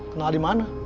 kenal di mana